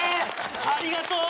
ありがとう！